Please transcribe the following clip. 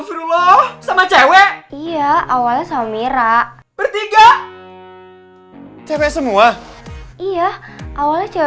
kalau sampai mama tau mama pasti hancur